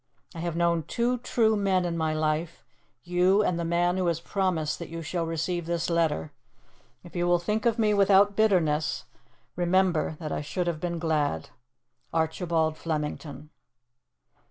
I have known two true men in my life you and the man who has promised that you shall receive this letter. If you will think of me without bitterness, remember that I should have been glad. "ARCHIBALD FLEMINGTON."